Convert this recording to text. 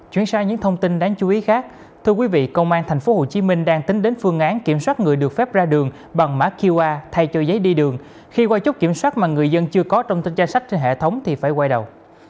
công an tp hcm đang tính đến phương án kiểm soát người được phép ra đường bằng mã qr thay cho giấy đi đường khi qua chút kiểm soát mà người dân chưa có trong tên danh sách trên hệ thống thì phải quay đầu